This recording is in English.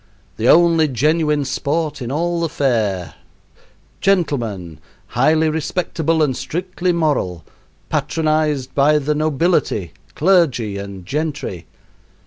The only genuine sport in all the fair, gentlemen highly respectable and strictly moral patronized by the nobility, clergy, and gentry.